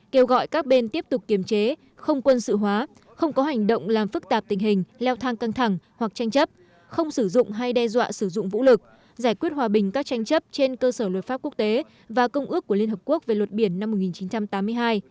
kêu gọi các bên tiếp tục kiềm chế không quân sự hóa không có hành động làm phức tạp tình hình leo thang căng thẳng hoặc tranh chấp không sử dụng hay đe dọa sử dụng vũ lực giải quyết hòa bình các tranh chấp trên cơ sở luật pháp quốc tế và công ước của liên hợp quốc về luật biển năm một nghìn chín trăm tám mươi hai